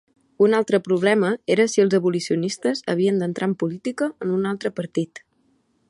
Un altre problema era si els abolicionistes havien d'entrar en política en un altre partit.